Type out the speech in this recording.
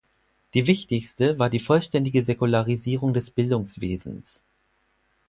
Die wichtigste war die vollständige Säkularisierung des Bildungswesens.